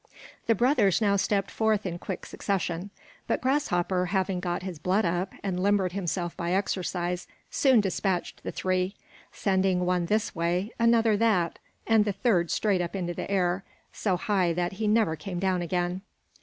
The brothers now stepped forth in quick succession, but Grasshopper, having got his blood up and limbered himself by exercise, soon dispatched the three sending one this way, another that, and the third straight up into the air, so high that he never came down again.